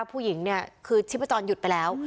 ผู้หญิงเนี่ยคือชีพจรหยุดไปแล้ว